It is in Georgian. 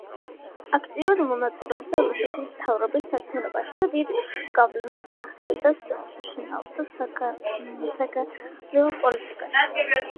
აქტიურად მონაწილეობდა რუსეთის მთავრობის საქმიანობაში და დიდ გავლენას ახდენდა საშინაო და საგარეო პოლიტიკაში.